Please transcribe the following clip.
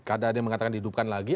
ada yang mengatakan dihidupkan lagi